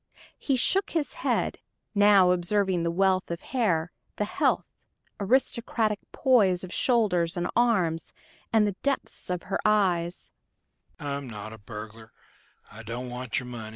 He shook his head, now observing the wealth of hair, the healthy, aristocratic poise of shoulders and arms, and the depths of her eyes.